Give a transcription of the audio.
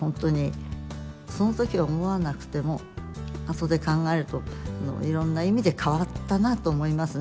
その時は思わなくても後で考えるといろんな意味で変わったなと思いますね。